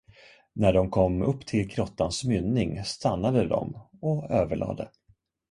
När de kom upp till grottans mynning, stannade de och överlade.